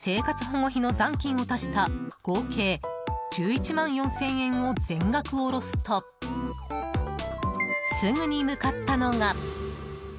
口座にあった生活保護費の残金を足した合計１１万４０００円を全額下ろすとすぐに向かったのが。